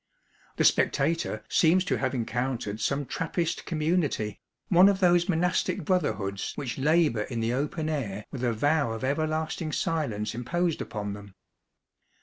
The spectator seems to have encountered some Trappist community, one of those monastic brotherhoods which labor in the open air with a vow of everlasting silence imposed upon them.